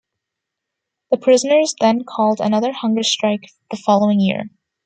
The prisoners then called another hunger strike the following year.